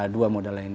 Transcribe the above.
dua modal lainnya